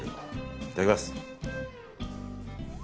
いただきます。